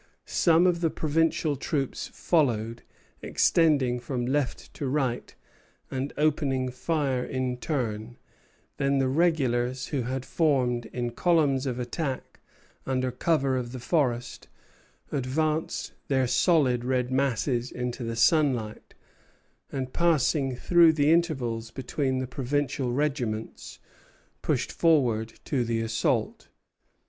Some of the provincial troops followed, extending from left to right, and opening fire in turn; then the regulars, who had formed in columns of attack under cover of the forest, advanced their solid red masses into the sunlight, and passing through the intervals between the provincial regiments, pushed forward to the assault.